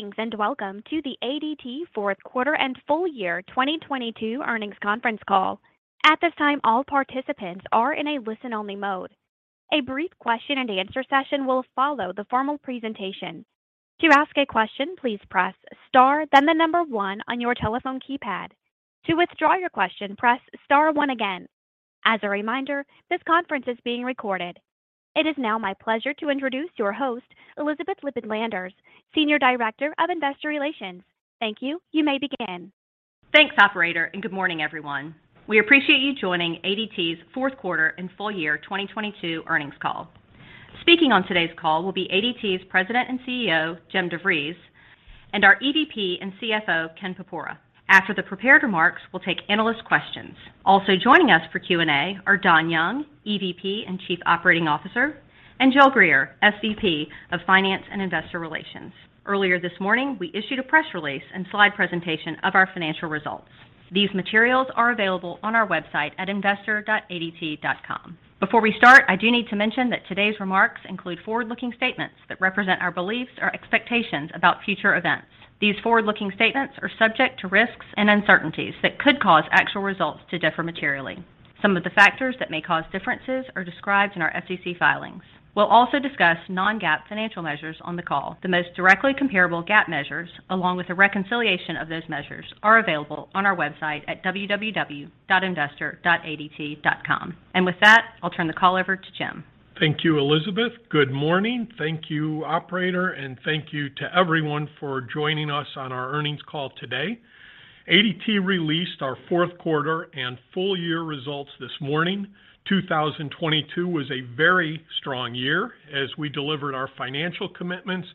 Greetings, welcome to the ADT fourth quarter and full year 2022 earnings conference call. At this time, all participants are in a listen-only mode. A brief question-and-answer session will follow the formal presentation. To ask a question, please press star then the number one on your telephone keypad. To withdraw your question, press star one again. As a reminder, this conference is being recorded. It is now my pleasure to introduce your host, Elizabeth Lippitt Landers, Senior Director of Investor Relations. Thank you. You may begin. Thanks, operator, and good morning, everyone. We appreciate you joining ADT's fourth quarter and full year 2022 earnings call. Speaking on today's call will be ADT's President and CEO, Jim DeVries, and our EVP and CFO, Ken Porpora. After the prepared remarks, we'll take analyst questions. Also joining us for Q&A are Don Young, EVP and Chief Operating Officer, and Jill Greer, SVP of Finance and Investor Relations. Earlier this morning, we issued a press release and slide presentation of our financial results. These materials are available on our website at investor.adt.com. Before we start, I do need to mention that today's remarks include forward-looking statements that represent our beliefs or expectations about future events. These forward-looking statements are subject to risks and uncertainties that could cause actual results to differ materially. Some of the factors that may cause differences are described in our SEC filings. We'll also discuss non-GAAP financial measures on the call. The most directly comparable GAAP measures, along with a reconciliation of those measures, are available on our website at www.investor.adt.com. With that, I'll turn the call over to Jim. Thank you, Elizabeth. Good morning. Thank you, operator, and thank you to everyone for joining us on our earnings call today. ADT released our fourth quarter and full year results this morning. 2022 was a very strong year as we delivered our financial commitments,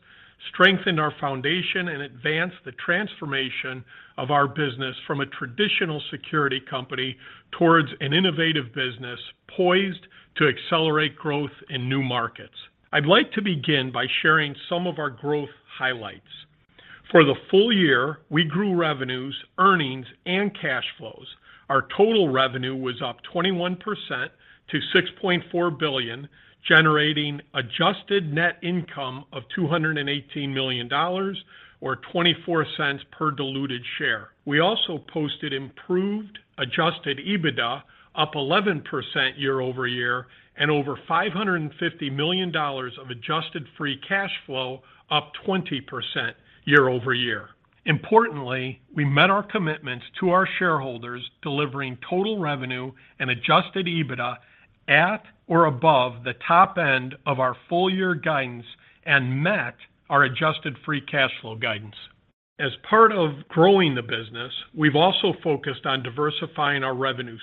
strengthened our foundation, and advanced the transformation of our business from a traditional security company towards an innovative business poised to accelerate growth in new markets. I'd like to begin by sharing some of our growth highlights. For the full year, we grew revenues, earnings, and cash flows. Our total revenue was up 21% to $6.4 billion, generating Adjusted net income of $218 million or $0.24 per diluted share. We also posted improved Adjusted EBITDA up 11% year-over-year and over $550 million of Adjusted Free Cash Flow up 20% year-over-year. Importantly, we met our commitments to our shareholders, delivering total revenue and Adjusted EBITDA at or above the top end of our full year guidance and met our Adjusted Free Cash Flow guidance. As part of growing the business, we've also focused on diversifying our revenue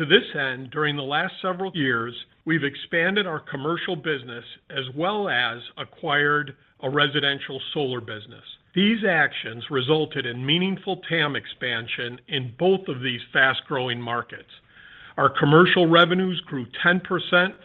streams. To this end, during the last several years, we've expanded our commercial business as well as acquired a residential Solar business. These actions resulted in meaningful TAM expansion in both of these fast-growing markets. Our commercial revenues grew 10%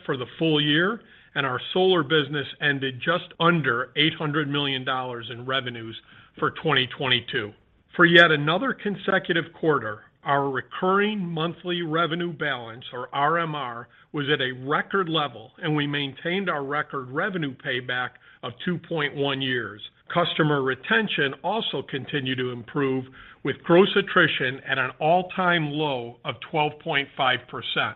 for the full year. Our Solar business ended just under $800 million in revenues for 2022. For yet another consecutive quarter, our recurring monthly revenue balance, or RMR, was at a record level, and we maintained our record revenue payback of 2.1 years. Customer retention also continued to improve with gross attrition at an all-time low of 12.5%.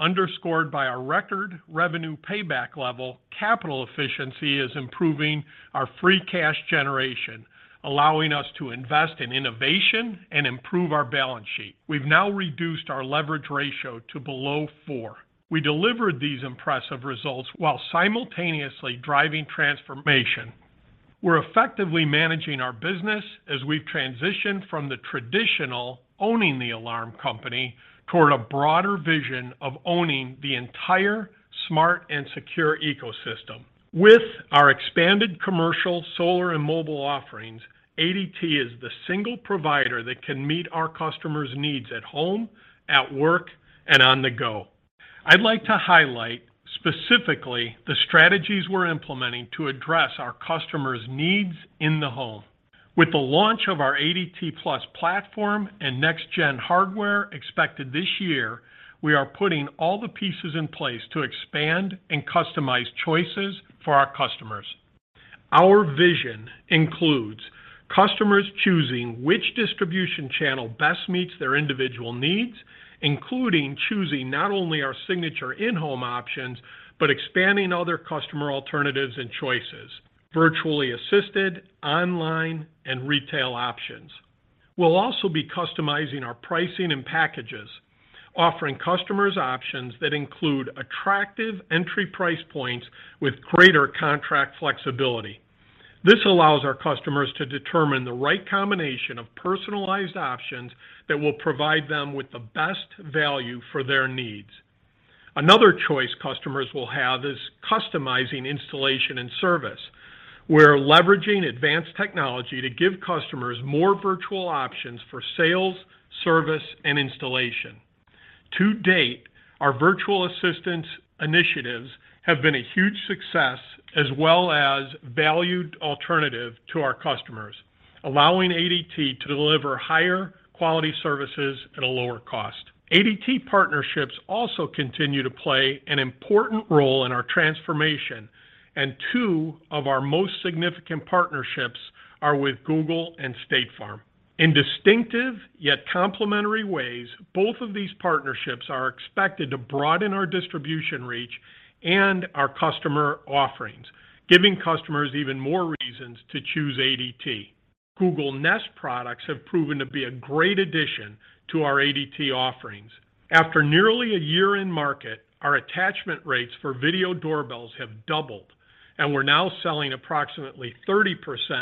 Underscored by our record revenue payback level, capital efficiency is improving our free cash generation, allowing us to invest in innovation and improve our balance sheet. We've now reduced our leverage ratio to below 4x. We delivered these impressive results while simultaneously driving transformation. We're effectively managing our business as we've transitioned from the traditional owning the alarm company toward a broader vision of owning the entire smart and secure ecosystem. With our expanded commercial, Solar, and mobile offerings, ADT is the single provider that can meet our customers' needs at home, at work, and on the go. I'd like to highlight specifically the strategies we're implementing to address our customers' needs in the home. With the launch of our ADT+ platform and next-gen hardware expected this year, we are putting all the pieces in place to expand and customize choices for our customers. Our vision includes customers choosing which distribution channel best meets their individual needs, including choosing not only our signature in-home options, but expanding other customer alternatives and choices, virtually assisted, online, and retail options. We'll also be customizing our pricing and packages, offering customers options that include attractive entry price points with greater contract flexibility. This allows our customers to determine the right combination of personalized options that will provide them with the best value for their needs. Another choice customers will have is customizing installation and service. We're leveraging advanced technology to give customers more virtual options for sales, service, and installation. To date, our virtual assistant initiatives have been a huge success as well as valued alternative to our customers. Allowing ADT to deliver higher quality services at a lower cost. ADT partnerships also continue to play an important role in our transformation. Two of our most significant partnerships are with Google and State Farm. In distinctive yet complementary ways, both of these partnerships are expected to broaden our distribution reach and our customer offerings, giving customers even more reasons to choose ADT. Google Nest products have proven to be a great addition to our ADT offerings. After nearly a year in market, our attachment rates for video doorbells have doubled, and we're now selling approximately 30%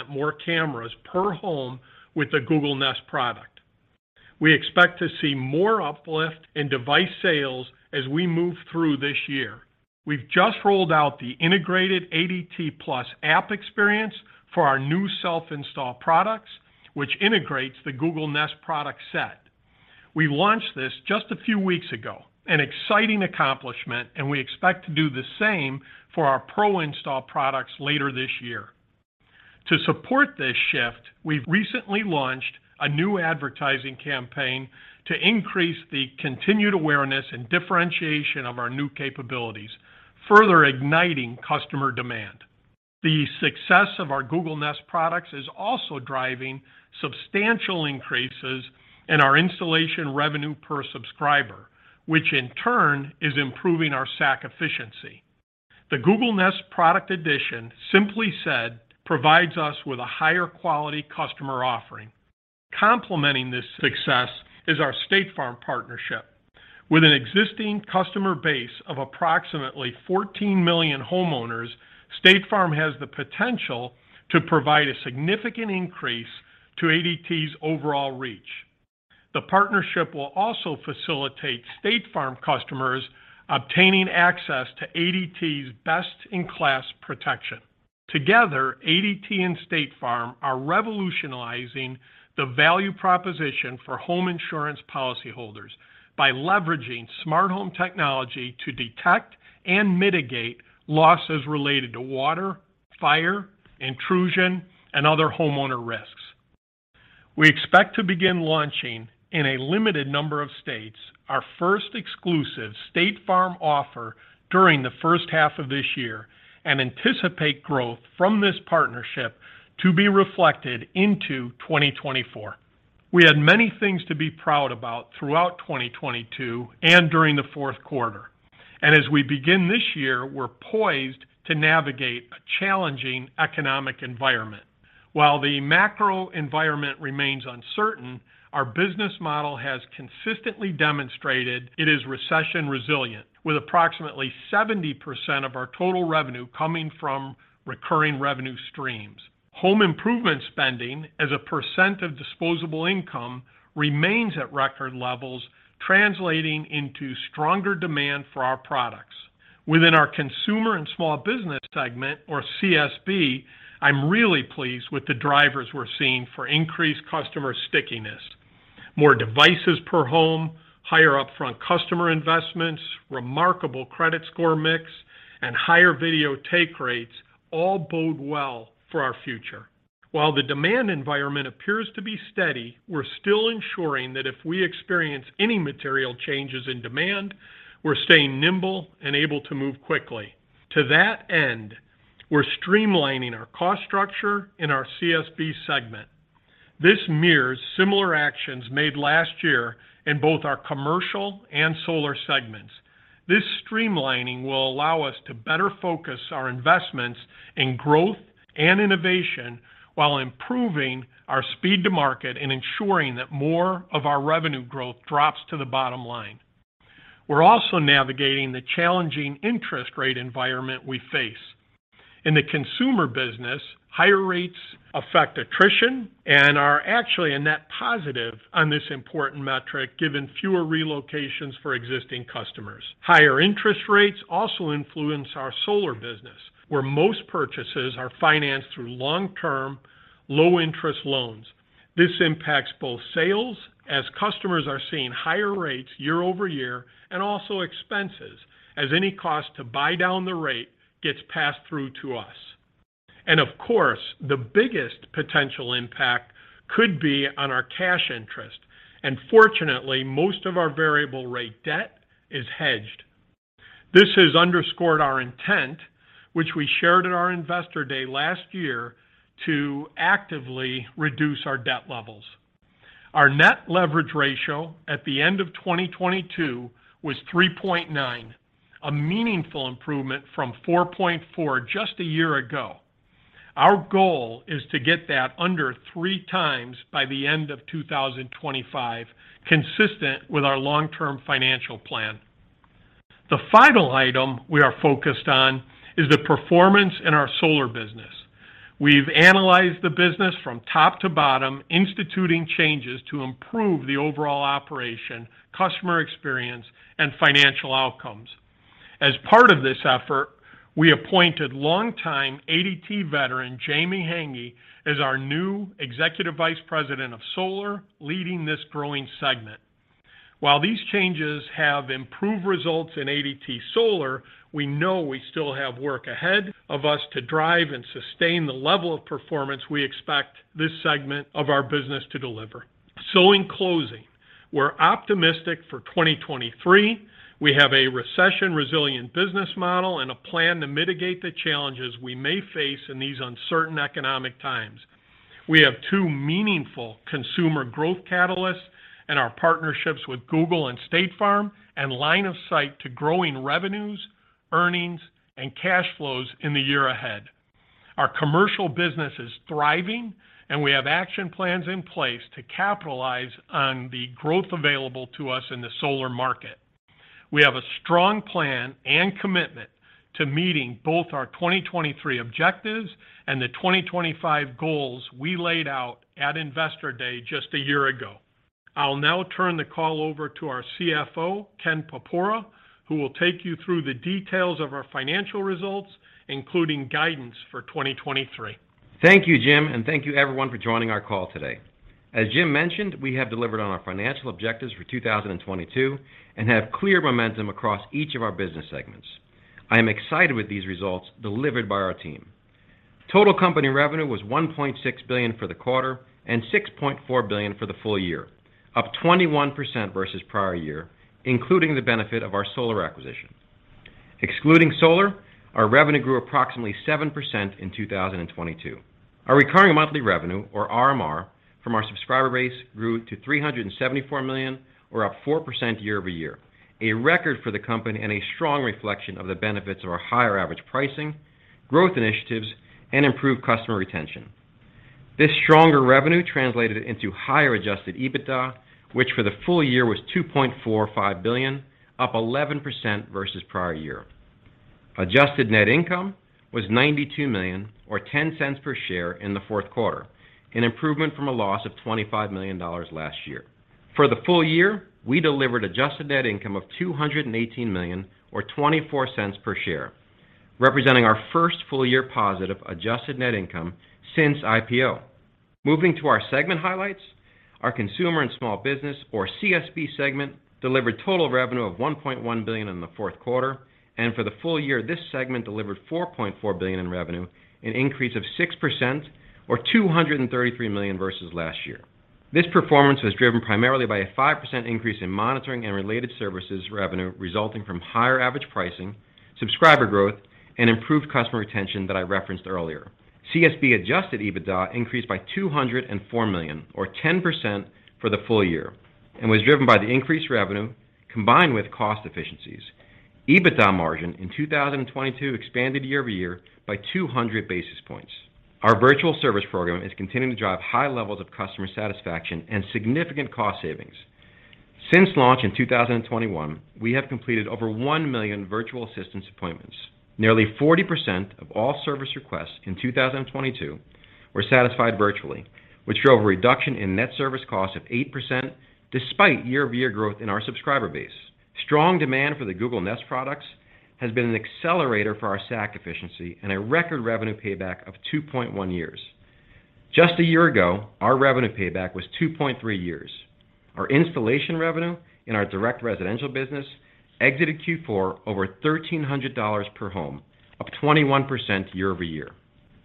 more cameras per home with the Google Nest product. We expect to see more uplift in device sales as we move through this year. We've just rolled out the integrated ADT+ app experience for our new self-install products, which integrates the Google Nest product set. We launched this just a few weeks ago, an exciting accomplishment. We expect to do the same for our pro-install products later this year. To support this shift, we've recently launched a new advertising campaign to increase the continued awareness and differentiation of our new capabilities, further igniting customer demand. The success of our Google Nest products is also driving substantial increases in our installation revenue per subscriber, which in turn is improving our SAC efficiency. The Google Nest product addition simply said, provides us with a higher quality customer offering. Complementing this success is our State Farm partnership. With an existing customer base of approximately 14 million homeowners, State Farm has the potential to provide a significant increase to ADT's overall reach. The partnership will also facilitate State Farm customers obtaining access to ADT's best-in-class protection. Together, ADT and State Farm are revolutionizing the value proposition for home insurance policyholders by leveraging smart home technology to detect and mitigate losses related to water, fire, intrusion, and other homeowner risks. We expect to begin launching in a limited number of states, our first exclusive State Farm offer during the first half of this year, and anticipate growth from this partnership to be reflected into 2024. We had many things to be proud about throughout 2022 and during the fourth quarter. As we begin this year, we're poised to navigate a challenging economic environment. While the macro environment remains uncertain, our business model has consistently demonstrated it is recession resilient, with approximately 70% of our total revenue coming from recurring revenue streams. Home improvement spending as a percent of disposable income remains at record levels, translating into stronger demand for our products. Within our consumer and small business segment or CSB, I'm really pleased with the drivers we're seeing for increased customer stickiness. More devices per home, higher upfront customer investments, remarkable credit score mix, and higher video take rates all bode well for our future. While the demand environment appears to be steady, we're still ensuring that if we experience any material changes in demand, we're staying nimble and able to move quickly. To that end, we're streamlining our cost structure in our CSB segment. This mirrors similar actions made last year in both our commercial and Solar segments. This streamlining will allow us to better focus our investments in growth and innovation while improving our speed to market and ensuring that more of our revenue growth drops to the bottom line. We're also navigating the challenging interest rate environment we face. In the consumer business, higher rates affect attrition and are actually a net positive on this important metric, given fewer relocations for existing customers. Higher interest rates also influence our Solar business, where most purchases are financed through long-term, low-interest loans. This impacts both sales as customers are seeing higher rates year-over-year. Also expenses as any cost to buy down the rate gets passed through to us. Of course, the biggest potential impact could be on our cash interest. Fortunately, most of our variable rate debt is hedged. This has underscored our intent, which we shared at our Investor Day last year, to actively reduce our debt levels. Our net leverage ratio at the end of 2022 was 3.9x, a meaningful improvement from 4.4x just a year ago. Our goal is to get that under 3x by the end of 2025, consistent with our long-term financial plan. The final item we are focused on is the performance in our Solar business. We've analyzed the business from top to bottom, instituting changes to improve the overall operation, customer experience, and financial outcomes. As part of this effort, we appointed longtime ADT veteran Jamie Haenggi as our new Executive Vice President of Solar, leading this growing segment. While these changes have improved results in ADT Solar, we know we still have work ahead of us to drive and sustain the level of performance we expect this segment of our business to deliver. In closing, we're optimistic for 2023. We have a recession-resilient business model and a plan to mitigate the challenges we may face in these uncertain economic times. We have two meaningful consumer growth catalysts in our partnerships with Google and State Farm and line of sight to growing revenues, earnings, and cash flows in the year ahead. Our commercial business is thriving, and we have action plans in place to capitalize on the growth available to us in the Solar market. We have a strong plan and commitment to meeting both our 2023 objectives and the 2025 goals we laid out at Investor Day just a year ago. I'll now turn the call over to our CFO, Ken Porpora, who will take you through the details of our financial results, including guidance for 2023. Thank you, Jim. Thank you everyone for joining our call today. As Jim mentioned, we have delivered on our financial objectives for 2022 and have clear momentum across each of our business segments. I am excited with these results delivered by our team. Total company revenue was $1.6 billion for the quarter and $6.4 billion for the full year, up 21% versus prior year, including the benefit of our Solar acquisition. Excluding Solar, our revenue grew approximately 7% in 2022. Our recurring monthly revenue or RMR from our subscriber base grew to $374 million or up 4% year-over-year, a record for the company and a strong reflection of the benefits of our higher average pricing, growth initiatives, and improved customer retention. This stronger revenue translated into higher Adjusted EBITDA, which for the full year was $2.45 billion, up 11% versus prior year. Adjusted net income was $92 million or $0.10 per share in the fourth quarter, an improvement from a loss of $25 million last year. For the full year, we delivered Adjusted net income of $218 million or $0.24 per share, representing our first full year positive Adjusted net income since IPO. Moving to our segment highlights, our consumer and small business or CSB segment delivered total revenue of $1.1 billion in the fourth quarter. For the full year, this segment delivered $4.4 billion in revenue, an increase of 6% or $233 million versus last year. This performance was driven primarily by a 5% increase in monitoring and related services revenue resulting from higher average pricing, subscriber growth, and improved customer retention that I referenced earlier. CSB Adjusted EBITDA increased by $204 million or 10% for the full year and was driven by the increased revenue combined with cost efficiencies. EBITDA margin in 2022 expanded year-over-year by 200 basis points. Our virtual service program is continuing to drive high levels of customer satisfaction and significant cost savings. Since launch in 2021, we have completed over 1 million virtual assistance appointments. Nearly 40% of all service requests in 2022 were satisfied virtually, which drove a reduction in net service costs of 8% despite year-over-year growth in our subscriber base. Strong demand for the Google Nest products has been an accelerator for our stack efficiency and a record revenue payback of 2.1 years. Just a year ago, our revenue payback was 2.3 years. Our installation revenue in our direct residential business exited Q4 over $1,300 per home, up 21% year-over-year.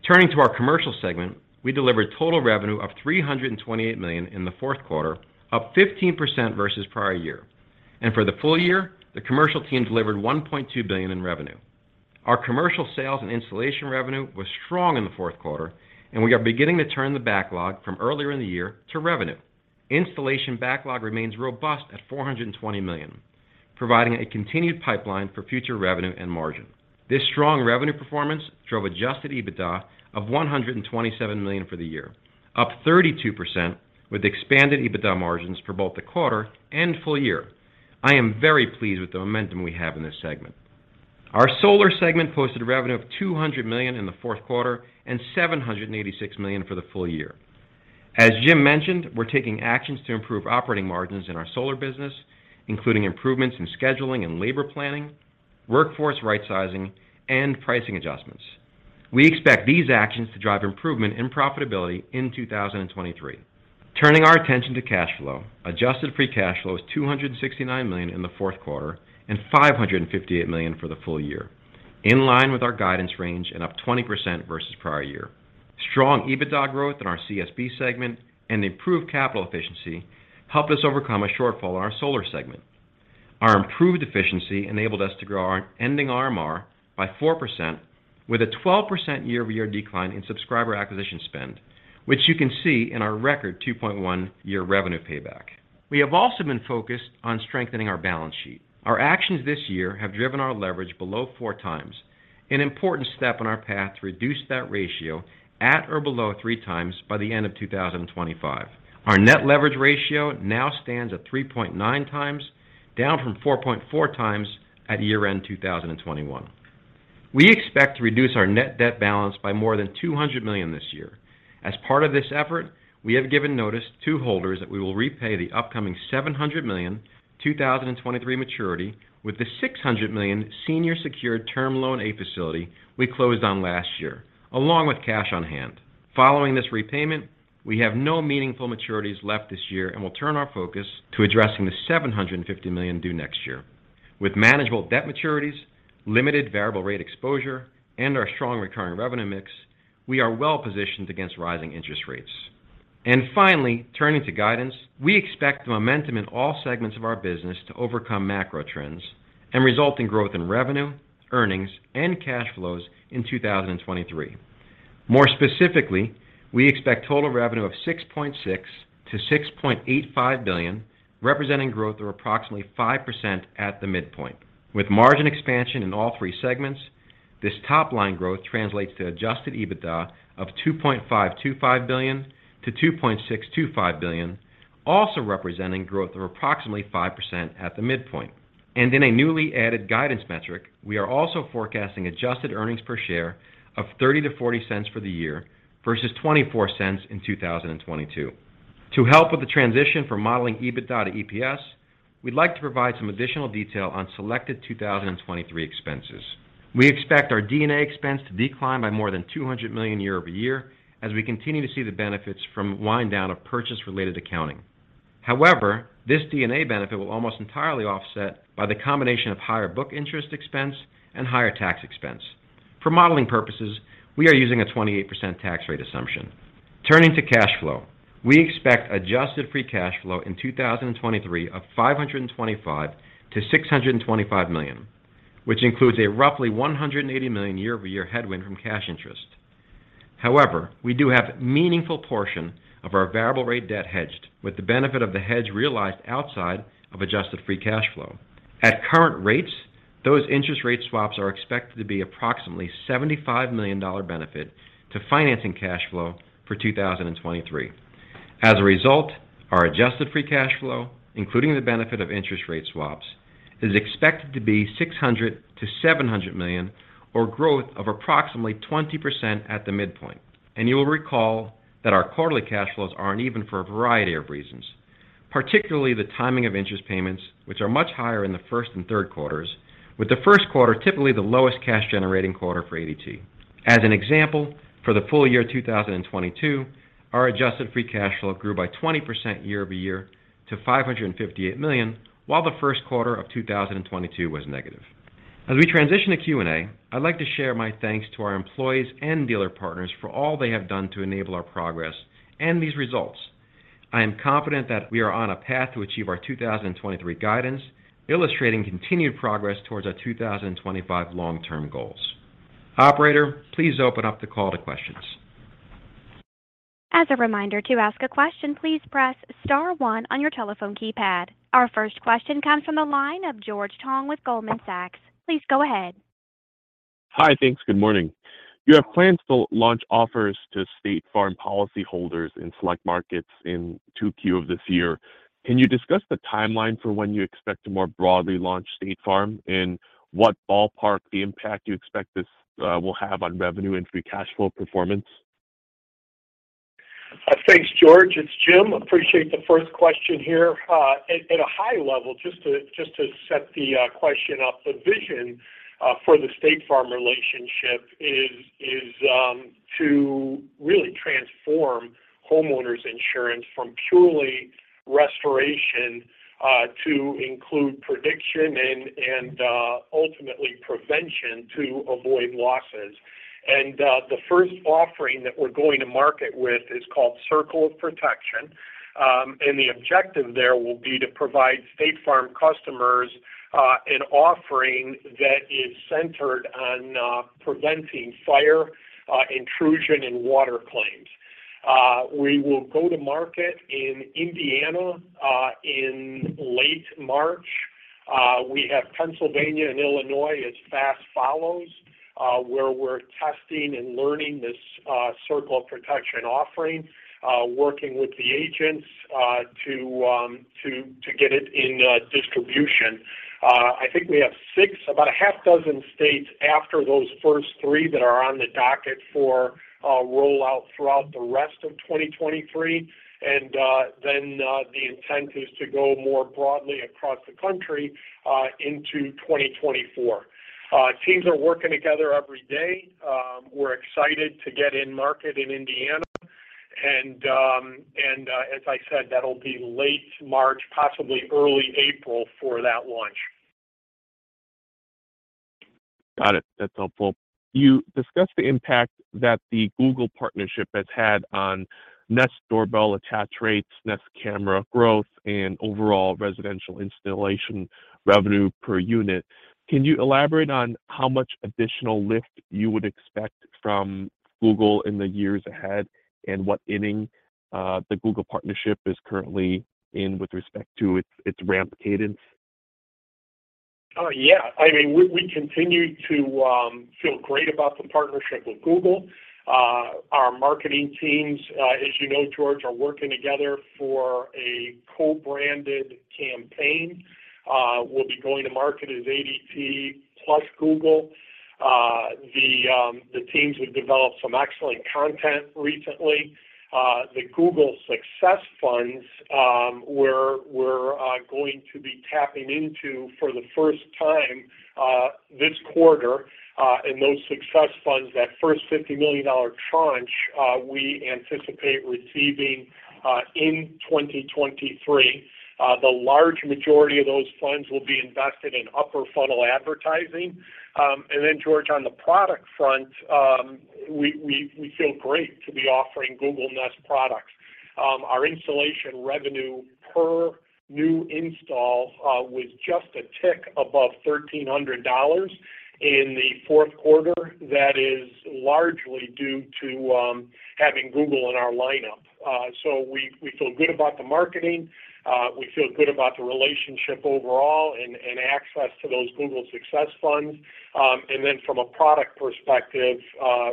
Turning to our commercial segment, we delivered total revenue of $328 million in the fourth quarter, up 15% versus prior year. For the full year, the commercial team delivered $1.2 billion in revenue. Our commercial sales and installation revenue was strong in the fourth quarter, and we are beginning to turn the backlog from earlier in the year to revenue. Installation backlog remains robust at $420 million, providing a continued pipeline for future revenue and margin. This strong revenue performance drove Adjusted EBITDA of $127 million for the year, up 32% with expanded EBITDA margins for both the quarter and full year. I am very pleased with the momentum we have in this segment. Our Solar segment posted revenue of $200 million in the fourth quarter and $786 million for the full year. As Jim mentioned, we're taking actions to improve operating margins in our Solar business, including improvements in scheduling and labor planning, workforce rightsizing, and pricing adjustments. We expect these actions to drive improvement in profitability in 2023. Turning our attention to cash flow. Adjusted Free Cash Flow is $269 million in the fourth quarter and $558 million for the full year, in line with our guidance range and up 20% versus prior year. Strong EBITDA growth in our CSB segment and improved capital efficiency helped us overcome a shortfall in our Solar segment. Our improved efficiency enabled us to grow our ending RMR by 4% with a 12% year-over-year decline in subscriber acquisition spend, which you can see in our record 2.1 year revenue payback. We have also been focused on strengthening our balance sheet. Our actions this year have driven our leverage below 4x, an important step on our path to reduce that ratio at or below 3x by the end of 2025. Our net leverage ratio now stands at 3.9x, down from 4.4x at year-end 2021. We expect to reduce our net debt balance by more than $200 million this year. As part of this effort, we have given notice to holders that we will repay the upcoming $700 million 2023 maturity with the $600 million senior secured Term Loan A facility we closed on last year, along with cash on hand. Following this repayment, we have no meaningful maturities left this year, we'll turn our focus to addressing the $750 million due next year. With manageable debt maturities, limited variable rate exposure, and our strong recurring revenue mix, we are well-positioned against rising interest rates. Finally, turning to guidance, we expect the momentum in all segments of our business to overcome macro trends and result in growth in revenue, earnings, and cash flows in 2023. More specifically, we expect total revenue of $6.6 billion-$6.85 billion, representing growth of approximately 5% at the midpoint. With margin expansion in all three segments, this top-line growth translates to Adjusted EBITDA of $2.525 billion-$2.625 billion, also representing growth of approximately 5% at the midpoint. In a newly added guidance metric, we are also forecasting Adjusted earnings per share of $0.30-$0.40 for the year versus $0.24 in 2022. To help with the transition from modeling EBITDA to EPS, we'd like to provide some additional detail on selected 2023 expenses. We expect our D&A expense to decline by more than $200 million year-over-year as we continue to see the benefits from wind down of purchase-related accounting. This D&A benefit will almost entirely offset by the combination of higher book interest expense and higher tax expense. For modeling purposes, we are using a 28% tax rate assumption. Turning to cash flow, we expect Adjusted Free Cash Flow in 2023 of $525 million-$625 million, which includes a roughly $180 million year-over-year headwind from cash interest. We do have meaningful portion of our variable rate debt hedged with the benefit of the hedge realized outside of Adjusted Free Cash Flow. At current rates, those interest rate swaps are expected to be approximately $75 million benefit to financing cash flow for 2023. As a result, our Adjusted Free Cash Flow, including the benefit of interest rate swaps, is expected to be $600 million-$700 million or growth of approximately 20% at the midpoint. You will recall that our quarterly cash flows aren't even for a variety of reasons, particularly the timing of interest payments, which are much higher in the first and third quarters, with the first quarter typically the lowest cash generating quarter for ADT. As an example, for the full year 2022, our Adjusted Free Cash Flow grew by 20% year-over-year to $558 million, while the first quarter of 2022 was negative. As we transition to Q&A, I'd like to share my thanks to our employees and dealer partners for all they have done to enable our progress and these results. I am confident that we are on a path to achieve our 2023 guidance, illustrating continued progress towards our 2025 long-term goals. Operator, please open up the call to questions. As a reminder, to ask a question, please press star one on your telephone keypad. Our first question comes from the line of George Tong with Goldman Sachs. Please go ahead. Hi. Thanks. Good morning. You have plans to launch offers to State Farm policyholders in select markets in 2Q of this year. Can you discuss the timeline for when you expect to more broadly launch State Farm, and what ballpark the impact you expect this will have on revenue and free cash flow performance? Thanks, George. It's Jim. Appreciate the first question here. At a high level, just to set the question up, the vision for the State Farm relationship is to really transform homeowners insurance from purely restoration to include prediction and ultimately prevention to avoid losses. The first offering that we're going to market with is called Circle of Protection. The objective there will be to provide State Farm customers an offering that is centered on preventing fire, intrusion and water claims. We will go to market in Indiana in late March. We have Pennsylvania and Illinois as fast follows, where we're testing and learning this Circle of Protection offering, working with the agents to get it in distribution. I think we have six, about a half dozen states after those first three that are on the docket for rollout throughout the rest of 2023. The intent is to go more broadly across the country into 2024. Teams are working together every day. We're excited to get in market in Indiana. As I said, that'll be late March, possibly early April for that launch. Got it. That's helpful. You discussed the impact that the Google partnership has had on Nest Doorbell attach rates, Nest Camera growth, and overall residential installation revenue per unit. Can you elaborate on how much additional lift you would expect from Google in the years ahead, and what inning the Google partnership is currently in with respect to its ramp cadence? Yeah. I mean, we continue to feel great about the partnership with Google. Our marketing teams, as you know, George, are working together for a co-branded campaign. We'll be going to market as ADT + Google. The teams have developed some excellent content recently. The Google Success Funds, we're going to be tapping into for the first time this quarter. Those Success Funds, that first $50 million tranche, we anticipate receiving in 2023. The large majority of those funds will be invested in upper funnel advertising. George, on the product front, we feel great to be offering Google Nest products. Our installation revenue per new install was just a tick above $1,300 in the fourth quarter. That is largely due to having Google in our lineup. We feel good about the marketing, we feel good about the relationship overall and access to those Google Success Funds. From a product perspective,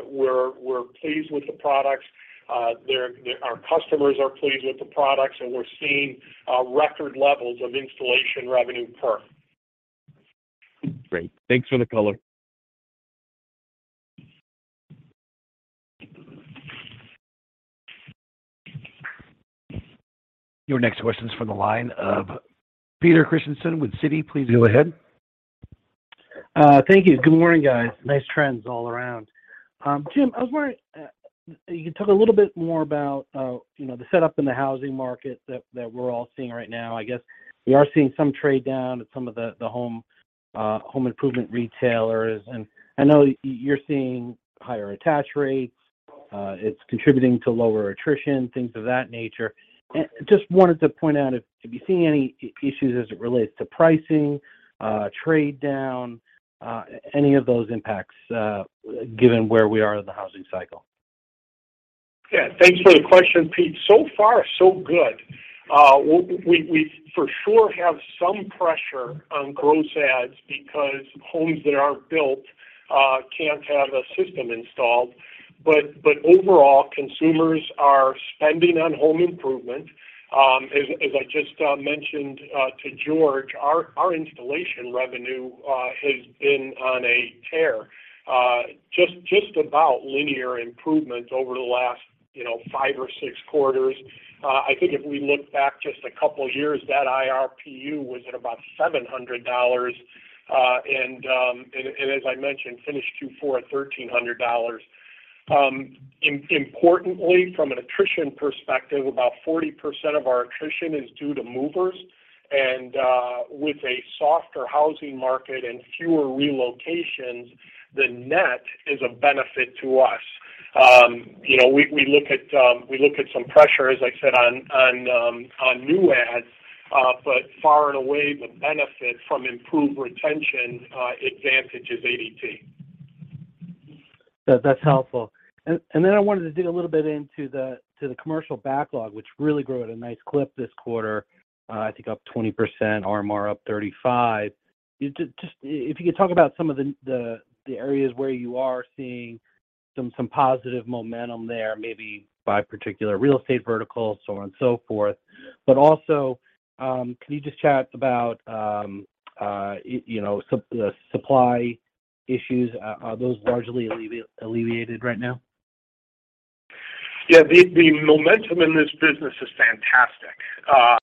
we're pleased with the products. Our customers are pleased with the products, and we're seeing record levels of installation revenue perks. Great. Thanks for the color. Your next question's from the line of Peter Christiansen with Citi. Please go ahead. Thank you. Good morning, guys. Nice trends all around. Jim, I was wondering, you can talk a little bit more about, you know, the setup in the housing market that we're all seeing right now. I guess we are seeing some trade down at some of the home improvement retailers. I know you're seeing higher attach rates, it's contributing to lower attrition, things of that nature. Just wanted to point out if you're seeing any issues as it relates to pricing, trade down, any of those impacts, given where we are in the housing cycle. Yeah. Thanks for the question, Pete. So far so good. We for sure have some pressure on gross adds because homes that aren't built, can't have a system installed. Overall, consumers are spending on home improvement. As I just mentioned, to George, our installation revenue has been on a tear, just about linear improvements over the last, you know, five or six quarters. I think if we look back just a couple years, that IRPU was at about $700, and as I mentioned, finished Q4 at $1,300. Importantly, from an attrition perspective, about 40% of our attrition is due to movers. With a softer housing market and fewer relocations, the net is a benefit to us. you know, we look at some pressure, as I said, on new adds, but far and away the benefit from improved retention, advantages ADT. That's helpful. Then I wanted to dig a little bit into the commercial backlog, which really grew at a nice clip this quarter, I think up 20%, RMR up 35%. Just if you could talk about the areas where you are seeing some positive momentum there, maybe by particular real estate verticals, so on and so forth. Also, can you just chat about, you know, the supply issues? Are those largely alleviated right now? Yeah. The momentum in this business is fantastic.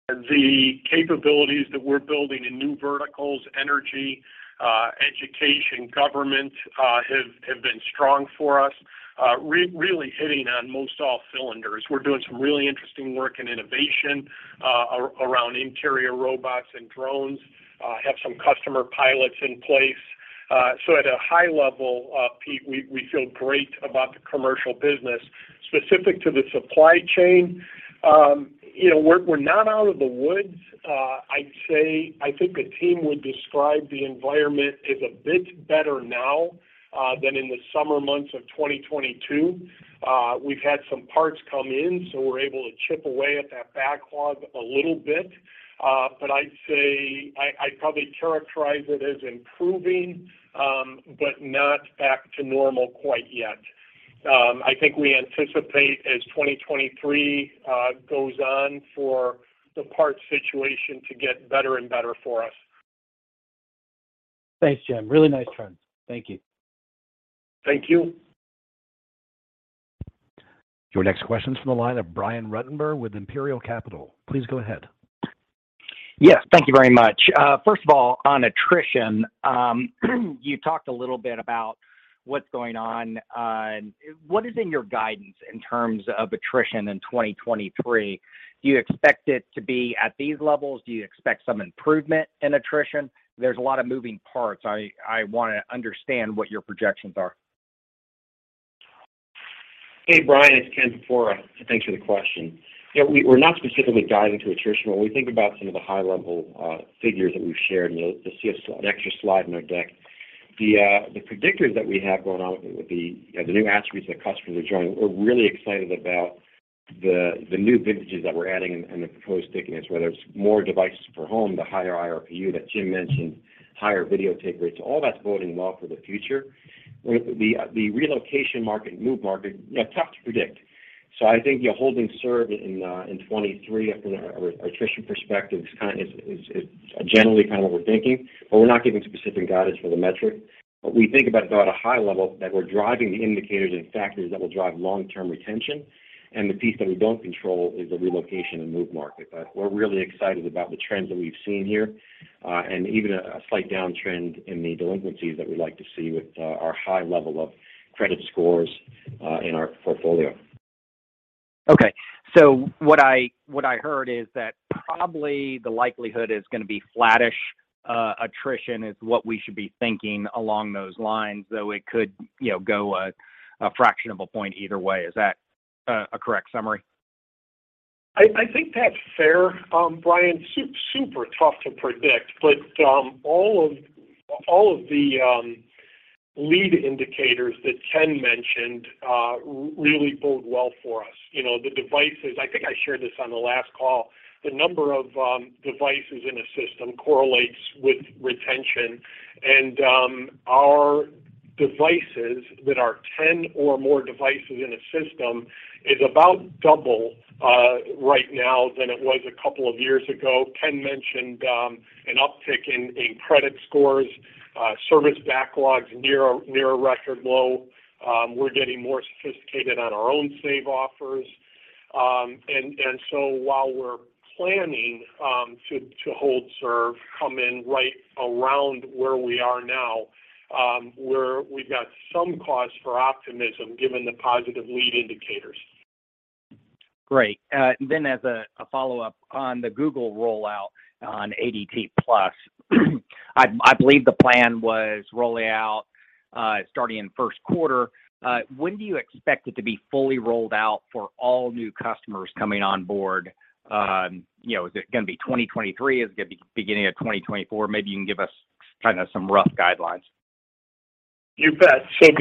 The capabilities that we're building in new verticals, energy, education, government, have been strong for us, really hitting on most all cylinders. We're doing some really interesting work in innovation, around interior robots and drones, have some customer pilots in place. At a high level, Pete, we feel great about the commercial business. Specific to the supply chain, you know, we're not out of the woods. I'd say I think the team would describe the environment as a bit better now than in the summer months of 2022. We've had some parts come in, so we're able to chip away at that backlog a little bit. I'd say I'd probably characterize it as improving, but not back to normal quite yet. I think we anticipate as 2023 goes on for the parts situation to get better and better for us. Thanks, Jim. Really nice trends. Thank you. Thank you. Your next question's from the line of Brian Ruttenbur with Imperial Capital. Please go ahead. Yes. Thank you very much. First of all, on attrition, you talked a little bit about what's going on. What is in your guidance in terms of attrition in 2023? Do you expect it to be at these levels? Do you expect some improvement in attrition? There's a lot of moving parts. I wanna understand what your projections are? Hey, Brian, it's Ken Porpora. Thanks for the question. We're not specifically guiding to attrition. When we think about some of the high-level figures that we've shared, you know, you'll see an extra slide in our deck. The predictors that we have going on with the new attributes that customers are joining, we're really excited about the new vintages that we're adding and the proposed takeaways, whether it's more devices per home, the higher IRPU that Jim mentioned, higher video take rates, all that's boding well for the future. The relocation market, move market, you know, tough to predict. I think you're holding serve in 2023 from an attrition perspective is generally kind of what we're thinking, but we're not giving specific guidance for the metric. We think about it at a high level that we're driving the indicators and factors that will drive long-term retention. The piece that we don't control is the relocation and move market. We're really excited about the trends that we've seen here, and even a slight downtrend in the delinquencies that we like to see with our high level of credit scores in our portfolio. Okay. What I heard is that probably the likelihood is gonna be flattish, attrition is what we should be thinking along those lines, though it could, you know, go a fraction of a point either way. Is that a correct summary? I think that's fair, Brian. Super tough to predict, but all of the lead indicators that Ken mentioned really bode well for us. You know, the devices. I think I shared this on the last call. The number of devices in a system correlates with retention. Our devices that are 10 or more devices in a system is about double right now than it was a couple of years ago. Ken mentioned an uptick in credit scores, service backlogs near a record low. We're getting more sophisticated on our own save offers. While we're planning to hold serve, come in right around where we are now, we've got some cause for optimism given the positive lead indicators. Great. As a follow-up on the Google rollout on ADT+. I believe the plan was roll out, starting in first quarter. When do you expect it to be fully rolled out for all new customers coming on board? You know, is it gonna be 2023? Is it gonna be beginning of 2024? Maybe you can give us kinda some rough guidelines. You bet. The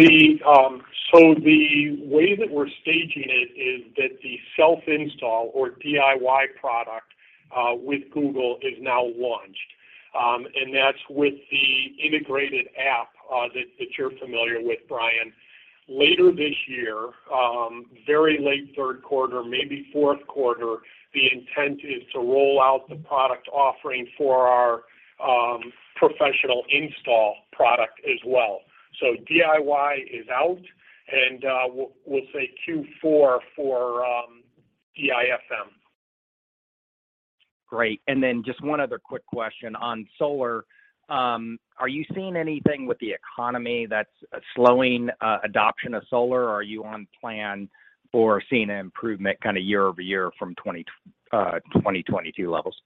way that we're staging it is that the self-install or DIY product, with Google is now launched. And that's with the integrated app, that you're familiar with, Brian. Later this year, very late third quarter, maybe fourth quarter, the intent is to roll out the product offering for our professional install product as well. DIY is out, and we'll say Q4 for DIFM. Great. Just one other quick question on Solar. Are you seeing anything with the economy that's slowing adoption of Solar? Are you on plan for seeing an improvement kinda year-over-year from 2022 levels?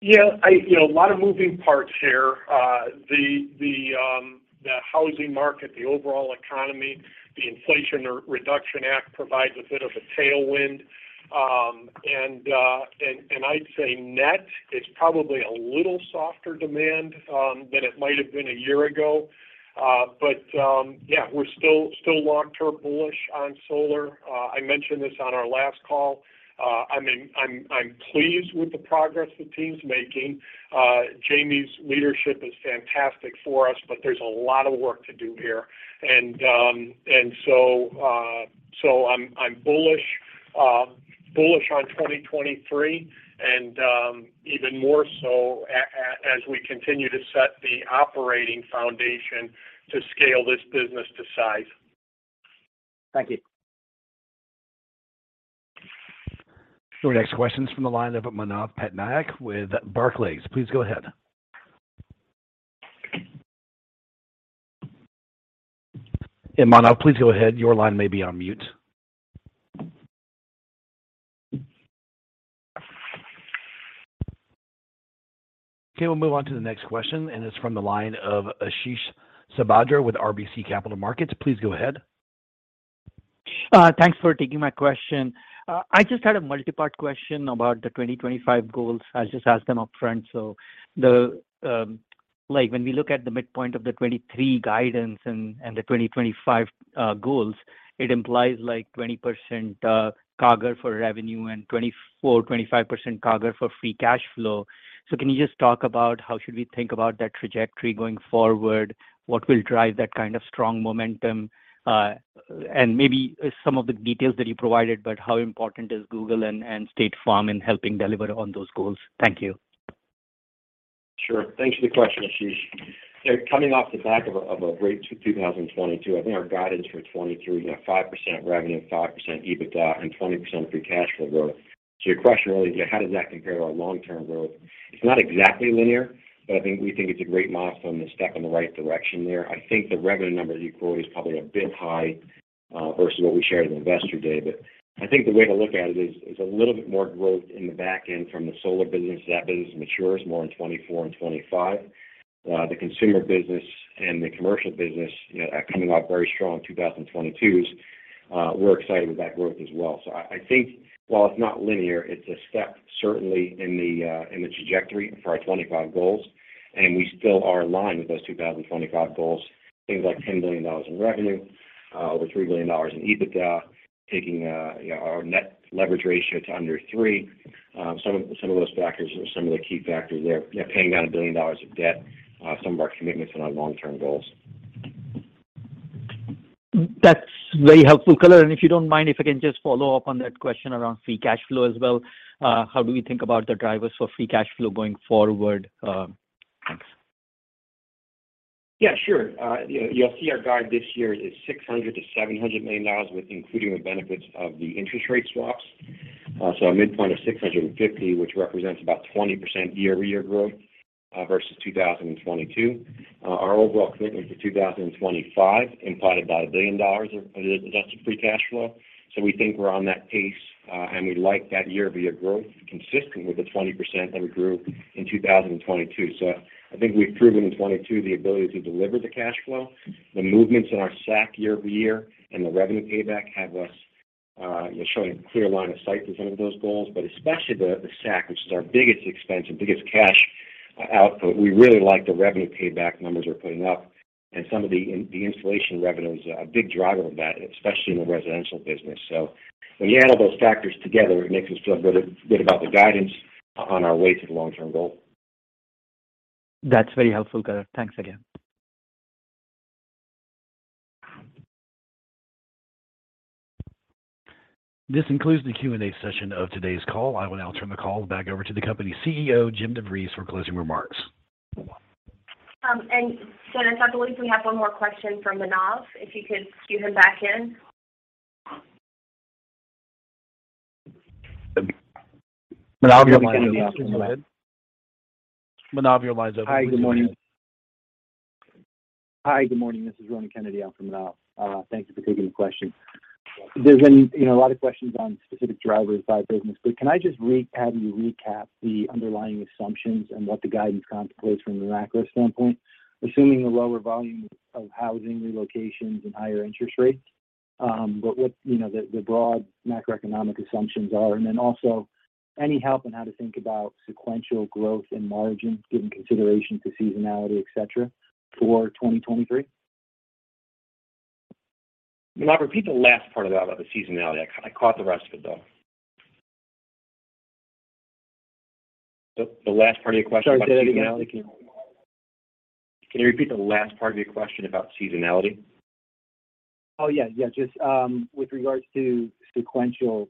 You know, a lot of moving parts here. The, the housing market, the overall economy, the Inflation Reduction Act provides a bit of a tailwind. I'd say net is probably a little softer demand than it might have been a year ago. Yeah, we're still long-term bullish on Solar. I mentioned this on our last call. I mean, I'm pleased with the progress the team's making. Jamie's leadership is fantastic for us, but there's a lot of work to do here. So I'm bullish on 2023 and even more so as we continue to set the operating foundation to scale this business to size. Thank you. Your next question's from the line of Manav Patnaik with Barclays. Please go ahead. Manav, please go ahead. Your line may be on mute. Okay, we'll move on to the next question. It's from the line of Ashish Sabadra with RBC Capital Markets. Please go ahead. Thanks for taking my question. I just had a multi-part question about the 2025 goals. I'll just ask them upfront. The, like, when we look at the midpoint of the 2023 guidance and the 2025 goals, it implies, like, 20% CAGR for revenue and 24%-25% CAGR for free cash flow. Can you just talk about how should we think about that trajectory going forward? What will drive that kind of strong momentum? Maybe some of the details that you provided, but how important is Google and State Farm in helping deliver on those goals? Thank you. Sure. Thanks for the question, Ashish. Coming off the back of a great 2022, I think our guidance for 2023 is at 5% revenue, 5% EBITDA and 20% free cash flow growth. Your question really is how does that compare to our long-term growth? It's not exactly linear, but I think we think it's a great milestone, a step in the right direction there. I think the revenue number that you quoted is probably a bit high versus what we shared at Investor Day. I think the way to look at it is a little bit more growth in the back end from the Solar business. That business matures more in 2024 and 2025. The consumer business and the commercial business, you know, are coming off very strong in 2022s. We're excited with that growth as well. I think while it's not linear, it's a step certainly in the in the trajectory for our 2025 goals. We still are aligned with those 2025 goals. Things like $10 billion in revenue, over $3 billion in EBITDA, taking, you know, our net leverage ratio to under 3x. Some of those factors are some of the key factors there. You know, paying down $1 billion of debt, some of our commitments on our long-term goals. That's very helpful color. If you don't mind, if I can just follow up on that question around free cash flow as well. How do we think about the drivers for free cash flow going forward? Thanks. Yeah, sure. you know, you'll see our guide this year is $600 million-$700 million with including the benefits of the interest rate swaps. A midpoint of $650 million, which represents about 20% year-over-year growth versus 2022. Our overall commitment for 2025 implied about $1 billion of Adjusted Free Cash Flow. We think we're on that pace and we like that year-over-year growth consistent with the 20% that we grew in 2022. I think we've proven in 2022 the ability to deliver the cash flow. The movements in our SAC year-over-year and the revenue payback have us, you know, showing a clear line of sight to some of those goals, but especially the SAC, which is our biggest expense and biggest cash output. We really like the revenue payback numbers we're putting up. The installation revenue is a big driver of that, especially in the residential business. When you add all those factors together, it makes us feel good about the guidance on our way to the long-term goal. That's very helpful color. Thanks again. This concludes the Q&A session of today's call. I will now turn the call back over to the company CEO, Jim DeVries, for closing remarks. Dennis, I believe we have one more question from Manav, if you could cue him back in. Manav, your line is open. Go ahead. Hi. Good morning. This is Ronan Kennedy out from Manav. Thank you for taking the question. There's been, you know, a lot of questions on specific drivers by business, but can I just have you recap the underlying assumptions and what the guidance contemplates from the macro standpoint, assuming a lower volume of housing relocations and higher interest rates, but what, you know, the broad macroeconomic assumptions are? Also any help on how to think about sequential growth in margin given consideration to seasonality, et cetera, for 2023? Manav, repeat the last part of that about the seasonality. I caught the rest of it, though. The last part of your question about seasonality. Sorry, did I- Can you repeat the last part of your question about seasonality? Yeah, just with regards to sequential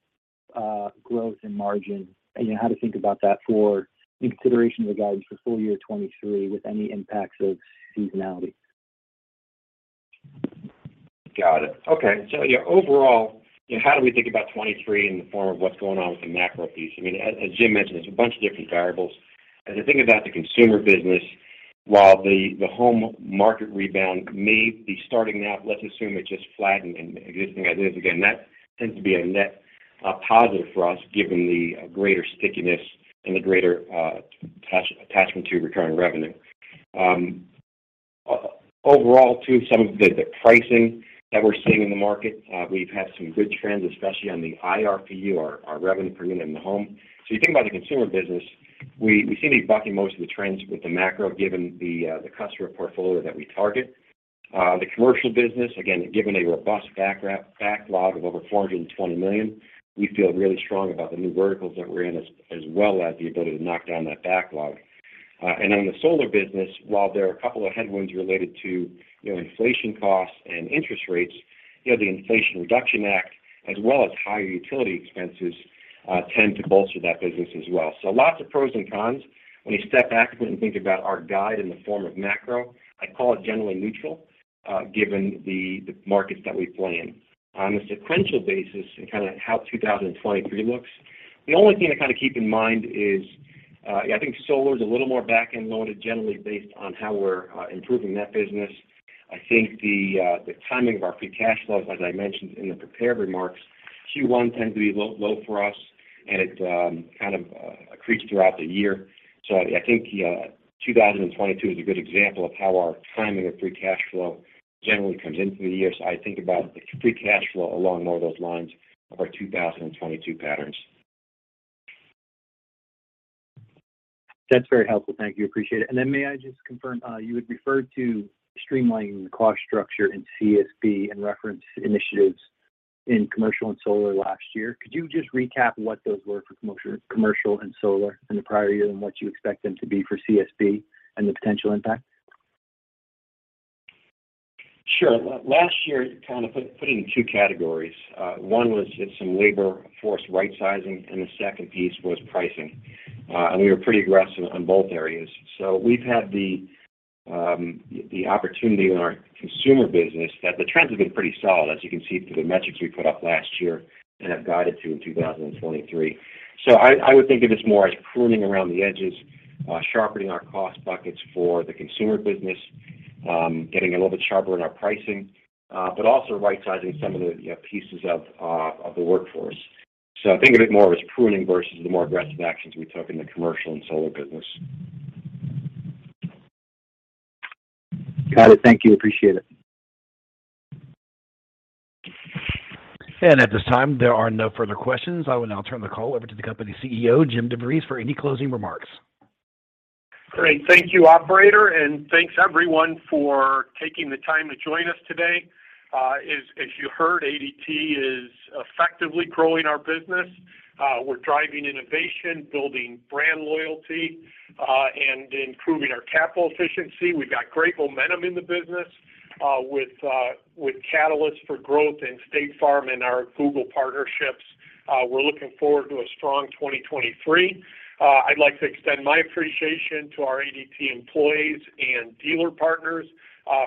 growth and margin and, you know, how to think about that for in consideration of the guidance for full year 2023 with any impacts of seasonality. Got it. Okay. Yeah, overall, you know, how do we think about 2023 in the form of what's going on with the macro piece? I mean, as Jim mentioned, there's a bunch of different variables. As I think about the consumer business, while the home market rebound may be starting to happen, let's assume it just flattened and existing ideas. Again, that tends to be a net positive for us given the greater stickiness and the greater attachment to recurring revenue. Overall too, some of the pricing that we're seeing in the market, we've had some good trends, especially on the IRPU, our revenue per unit in the home. You think about the consumer business, we seem to be bucking most of the trends with the macro given the customer portfolio that we target. The commercial business, again, given a robust backlog of over $420 million, we feel really strong about the new verticals that we're in as well as the ability to knock down that backlog. On the Solar business, while there are a couple of headwinds related to, you know, inflation costs and interest rates, you know, the Inflation Reduction Act as well as higher utility expenses tend to bolster that business as well. Lots of pros and cons. When you step back a bit and think about our guide in the form of macro, I'd call it generally neutral given the markets that we play in. On a sequential basis and kinda how 2023 looks, the only thing to kinda keep in mind is, I think Solar's a little more back-end loaded generally based on how we're improving that business. I think the timing of our free cash flow, as I mentioned in the prepared remarks, Q1 tends to be low for us, and it kind of increases throughout the year. I think 2022 is a good example of how our timing of free cash flow generally comes in through the year. I'd think about the free cash flow along more those lines of our 2022 patterns. That's very helpful. Thank you. Appreciate it. Then may I just confirm, you had referred to streamlining the cost structure in CSB and referenced initiatives in commercial and Solar last year. Could you just recap what those were for commercial and Solar in the prior year, and what you expect them to be for CSB and the potential impact? Sure. Last year, kinda put it in two categories. One was just some labor force rightsizing, and the second piece was pricing. We were pretty aggressive on both areas. We've had the opportunity in our consumer business that the trends have been pretty solid, as you can see through the metrics we put up last year and have guided to in 2023. I would think of it more as pruning around the edges, sharpening our cost buckets for the consumer business, getting a little bit sharper in our pricing, but also rightsizing some of the, you know, pieces of the workforce. I think of it more as pruning versus the more aggressive actions we took in the commercial and Solar business. Got it. Thank you. Appreciate it. At this time, there are no further questions. I will now turn the call over to the company CEO, Jim DeVries, for any closing remarks. Great. Thank you, operator, and thanks everyone for taking the time to join us today. As you heard, ADT is effectively growing our business. We're driving innovation, building brand loyalty, and improving our capital efficiency. We've got great momentum in the business with Catalyst for Growth and State Farm and our Google partnerships. We're looking forward to a strong 2023. I'd like to extend my appreciation to our ADT employees and dealer partners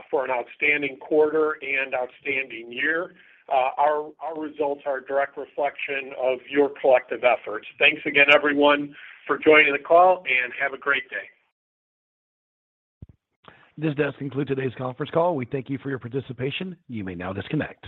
for an outstanding quarter and outstanding year. Our results are a direct reflection of your collective efforts. Thanks again, everyone, for joining the call, and have a great day. This does conclude today's conference call. We thank you for your participation. You may now disconnect.